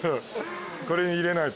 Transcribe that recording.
これに入れないと。